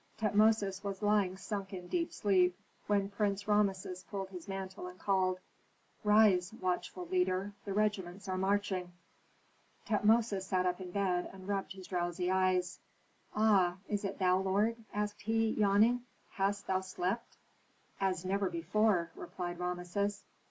Tutmosis was lying sunk in deep sleep, when Prince Rameses pulled his mantle, and called, "Rise, watchful leader. The regiments are marching!" Tutmosis sat up in bed and rubbed his drowsy eyes. "Ah, is it thou, lord?" asked he, yawning. "Hast thou slept?" "As never before," replied Rameses.